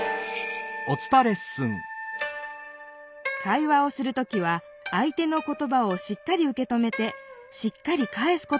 会話をする時はあい手のことばをしっかりうけ止めてしっかりかえすことが大切。